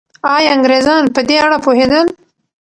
ایا انګریزان په دې اړه پوهېدل؟